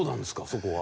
そこは。